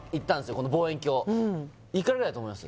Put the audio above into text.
この望遠鏡いくらぐらいだと思います？